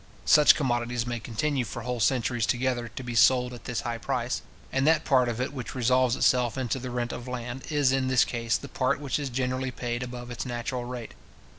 Such commodities may continue for whole centuries together to be sold at this high price; and that part of it which resolves itself into the rent of land, is in this case the part which is generally paid above its natural rate.